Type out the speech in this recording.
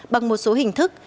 bằng một số hình thức